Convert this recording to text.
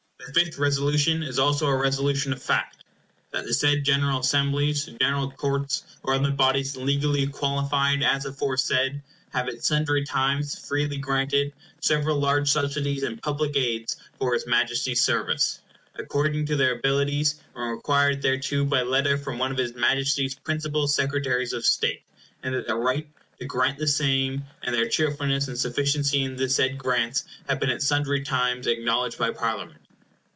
The fifth Resolution is also a resolution of fact— "That the said General Assemblies, General Courts, or other bodies legally qualified as aforesaid, have at sundry times freely granted several large subsidies and public aids for his Majesty's service, according to their abilities, when required thereto by letter from one of his Majesty's principal Secretaries of State; and that their right to grant the same, and their cheerfulness and sufficiency in the said grants, have been at sundry times acknowledged by Parliament."